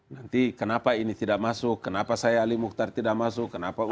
nanti kenapa ini tidak masuk kenapa saya ali mukhtar tidak masuk kenapa